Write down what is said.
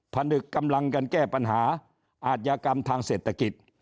ผนึกกำลังกันแก้ปัญหาอาจยากรรมทางเศรษฐกิจ